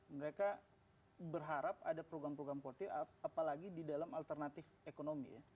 mereka berharap ada program program portir apalagi di dalam alternatif ekonomi ya